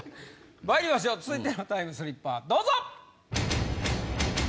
まいりましょう続いてのタイムスリッパーどうぞ！